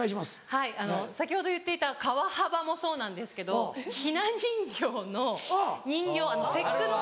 はいあの先ほど言っていた川幅もそうなんですけどひな人形の人形節句の。